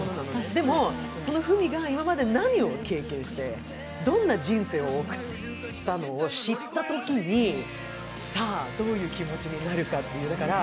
この文がこれまで何を経験してどんな人生を送ったのかを知ったときにさあ、どういう気持ちになるかっていう。